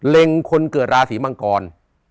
เล็งคนเกิดราศีมพังกร